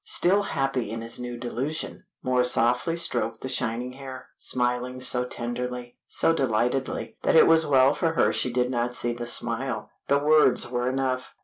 Still happy in his new delusion, Moor softly stroked the shining hair, smiling so tenderly, so delightedly, that it was well for her she did not see the smile, the words were enough.